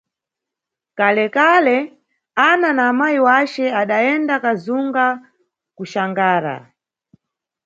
Kalekale, Ana na amayi wace adayenda kazunga kuXangara.